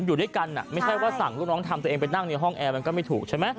อยู่ด้วยกันไม่ใช่ว่าสั่งลูกน้องทำตัวเองไปนั่งในห้องแอร์มันก็ไม่ถูกใช่ไหม